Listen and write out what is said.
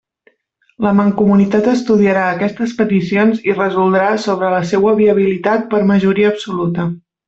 La Mancomunitat estudiarà aquestes peticions i resoldrà sobre la seua viabilitat, per majoria absoluta.